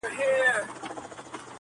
بې سپرلیه بې بارانه ګلان شنه کړي-